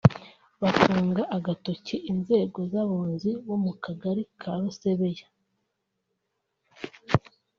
Batunga agatoki inzego z’abunzi bo mu kagari ka Rusebeya